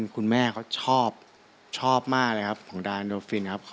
คุณแม่ชอบมากเลยลูกเหรอคุณแม่ชอบมากเลยลูกเหรอ